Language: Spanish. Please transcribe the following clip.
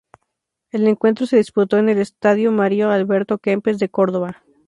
El encuentro se disputó en el Estadio Mario Alberto Kempes de Córdoba.